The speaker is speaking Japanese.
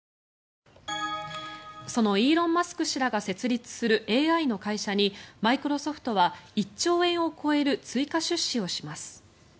そのイーロン・マスク氏らが設立するＡＩの会社にマイクロソフトは１兆円を超える追加出資をします。